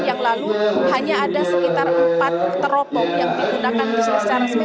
yang lalu hanya ada sekitar empat teropong yang digunakan di sini secara resmi